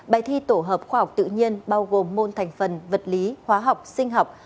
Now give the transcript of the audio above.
bài thi tổ hợp khoa học tự nhiên bao gồm môn thành phần vật lý hóa học sinh học